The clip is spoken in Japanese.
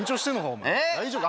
お前大丈夫？